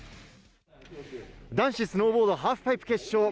男子スノーボードハーフパイプ決勝。